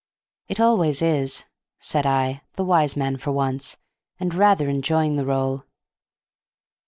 "It always is," said I, the wise man for once, and rather enjoying the role.